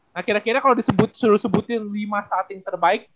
nah kira kira kalau disuruh sebutin lima starting terbaik